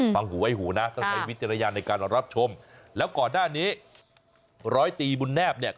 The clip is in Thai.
มีเจรยาในการรับชมแล้วก่อนด้านนี้ร้อยตีบุญแนบเนี่ย